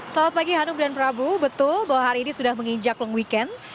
selamat pagi hanum dan prabu betul bahwa hari ini sudah menginjak long weekend